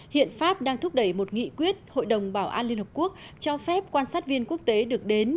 hiện pháp đang thúc đẩy một nghị quyết hội đồng bảo an liên hợp quốc cho phép quan sát viên quốc tế được đến